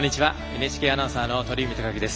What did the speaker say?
ＮＨＫアナウンサーの鳥海貴樹です。